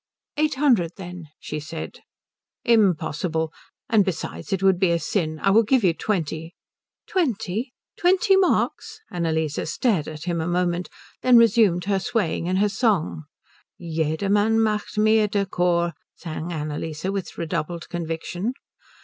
"Eight hundred, then," she said. "Impossible. And besides it would be a sin. I will give you twenty." "Twenty? Twenty marks?" Annalise stared at him a moment then resumed her swaying and her song "Jedermann macht mir die Cour" sang Annalise with redoubled conviction.